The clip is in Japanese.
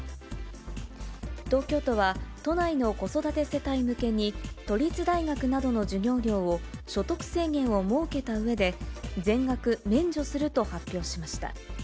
東京都は、都内の子育て世帯向けに都立大学などの授業料を所得制限を設けたうえで、全額免除すると発表しました。